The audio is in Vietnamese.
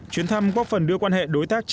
chuyến thăm góp phần đưa quan hệ đối tác